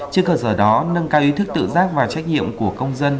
trên cơ sở đó nâng cao ý thức tự giác và trách nhiệm của công dân